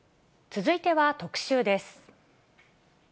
続いては特集です。